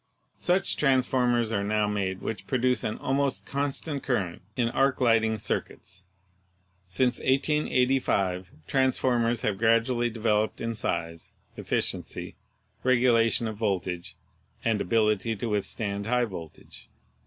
Such transformers are now made which produce an almost constant current in arc lighting circuits. Since 1885 transformers have gradually developed in size, efficiency, regulation of voltage, and ability to withstand high voltage.